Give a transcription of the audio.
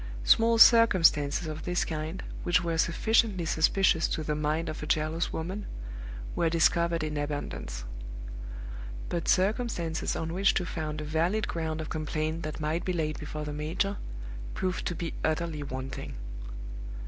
Small circumstances of this kind, which were sufficiently suspicious to the mind of a jealous woman, were discovered in abundance. But circumstances, on which to found a valid ground of complaint that might be laid before the major, proved to be utterly wanting.